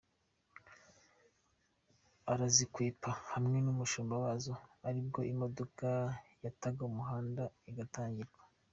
arazikwepa hamwe numushumba wazo, ari bwo imodoka yataga umuhanda igatangirwa.